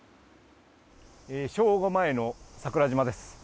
正午前の桜島です。